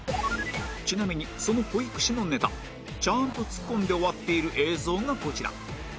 ちなみにその保育士のネタちゃんとツッコんで終わっている映像がこちら